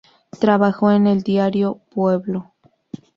Trabajó en el diario "Pueblo".